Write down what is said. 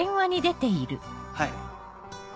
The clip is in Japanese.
はい。